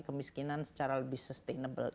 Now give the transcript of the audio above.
kemiskinan secara lebih sustainable